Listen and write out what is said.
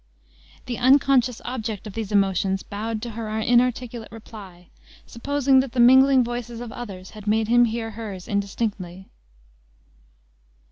The unconscious object of these emotions bowed to her inarticulate reply, supposing that the mingling voices of others had made him hear hers indistinctly.